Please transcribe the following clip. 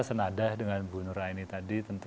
senadah dengan bu nuraini tadi tentu